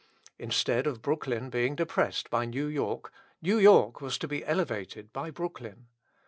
Instead of Brooklyn being depressed by New York, New York was to be elevated by Brooklyn.